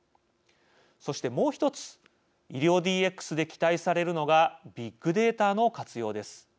そして、もう１つ医療ＤＸで期待されるのがビッグデータの活用です。